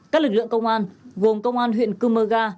các lực lượng công an gồm công an huyện cư mơ ga